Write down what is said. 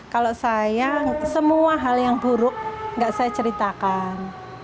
kalau saya semua hal yang buruk tidak saya ceritakan